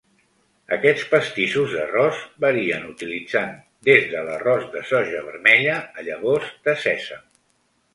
Aquests pastissos d'arròs varien utilitzant des de l'arròs de soja vermella a llavors de sèsam.